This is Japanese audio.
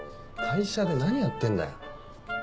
会社で何やってんだよ。